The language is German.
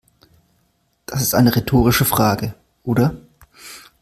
Das ist eine rhetorische Frage, oder?